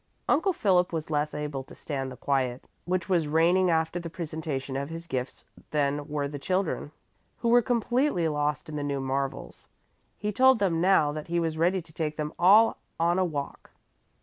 Uncle Philip was less able to stand the quiet which was reigning after the presentation of his gifts than were the children, who were completely lost in the new marvels. He told them now that he was ready to take them all on a walk.